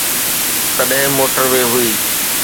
تڏهن موٽر وي هئي.